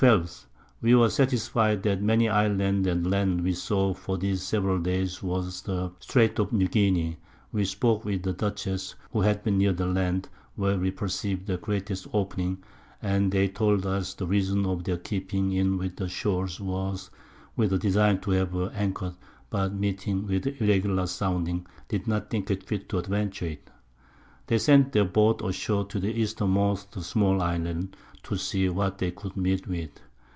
_ We were satisfied that the many Islands and Land that we saw for these several Days was the Straights of New Guinea; we spoke with the Dutchess, who had been near that Land where we perceived the greatest Opening, and they told us the Reason of their keeping in with the Shore was with a Design to have anchored, but meeting with irregular Soundings, did not think fit to adventure it. They sent their Boat ashore to the Eastermost small Island, to see what they could meet with.